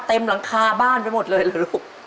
เต็มหลังคาบ้านไปหมดเลยเหรอลูก